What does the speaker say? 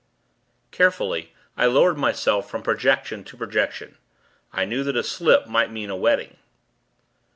Carefully, I lowered myself from projection to projection. I knew that a slip might mean a wetting.